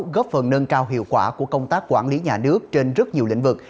góp phần nâng cao hiệu quả của công tác quản lý nhà nước trên rất nhiều lĩnh vực